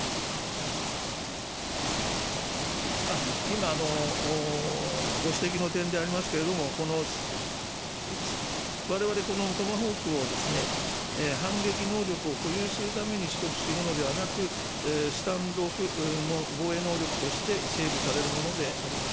今、ご指摘の点でありますけれども、われわれ、このトマホークを反撃能力を保有するために取得するのではなく、スタンド・オフ防衛能力として整備されるものであります。